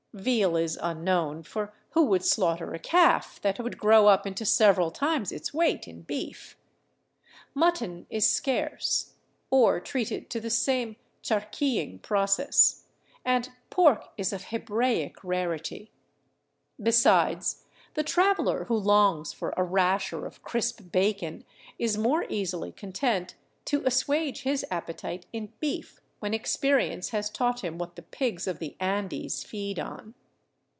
Veal is unknown, for who would slaughter a calf that would grow up into several times its weight in beef ? Mutton is scarce, or treated to the same charqui ing process; and pork is of Hebraic rarity. Besides, the traveler who longs for a rasher of crisp bacon is more easily content to assuage his appetite in beef when ex perience has taught him what the pigs of the Andes feed on.